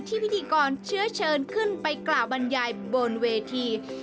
พิธีกรเชื้อเชิญขึ้นไปกล่าวบรรยายบนเวที